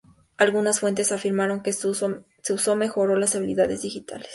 Algunas fuentes afirman que su uso mejoró las habilidades digitales.